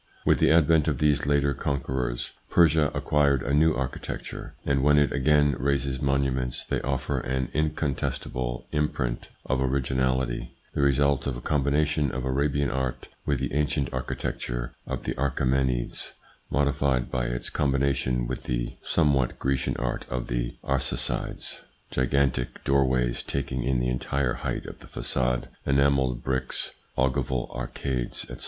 With the advent of these latter conquerors, Persia acquires a new architecture, and when it again raises monuments they offer an incontestable imprint of originality, the result of a combination of Arabian art with the ancient archi tecture of the Achsemenides, modified by its com bination with the somewhat Grecian art of the Arsacides (gigantic doorways taking in the entire height of the fagade, enamelled bricks, ogival arcades, etc.).